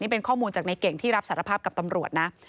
เป็นข้อมูลจากในเก่งที่รับสารภาพกับตำรวจนะ